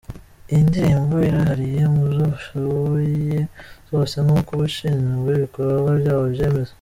Iyi ndirimbo irihariye mu zo basohoye zose nk'uko ushinzwe ibikorwa byabo abyemeza.